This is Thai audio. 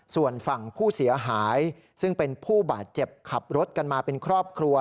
ส่วนฝั่งผู้เสียหายซึ่งเป็นผู้บาดเจ็บขับรถกันมาเป็นครอบครัว